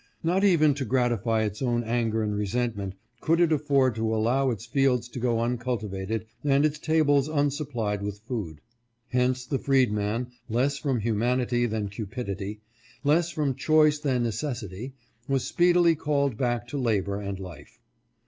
Not even to gratify its own anger and resentment could it afford to allow its fields to go uncul tivated and its tables unsupplied with food. Hence the freedman, less from humanity than cupidity, less from choice than necessity, was speedily called back to labor and life.